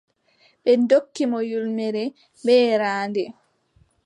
Ɓe ndokki mo ƴulmere bee yeeraande.